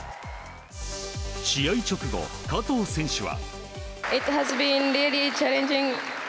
試合直後、加藤選手は。